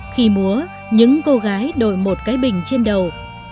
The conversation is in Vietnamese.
khi múa những cô gái đổi một cái bình trên đầu